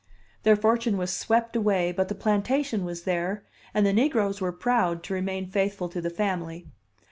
Their fortune was swept away, but the plantation was there, and the negroes were proud to remain faithful to the family.